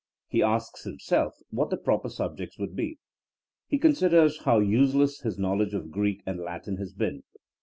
He asks himself what the proper subjects would be. He considers how useless his knowledge of Greek and Latin has been.